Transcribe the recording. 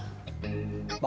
bapak tenang aja pak